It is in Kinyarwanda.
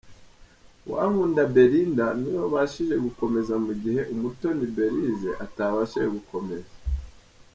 Uwankunda Belinda ni we wabashije gukomeza mu gihe Umutoni Belise atabashije gukomeza.